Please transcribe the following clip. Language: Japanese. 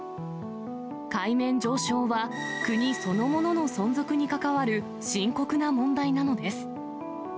海面上昇は、国そのものの存続に関わる深刻な問題なのです。